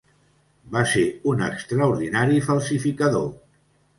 Va ser un extraordinari falsificador.